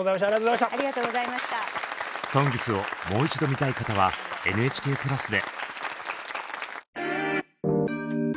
「ＳＯＮＧＳ」をもう一度見たい方はＮＨＫプラスで。